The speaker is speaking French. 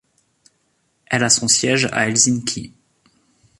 Elle a son siège à Helsinki.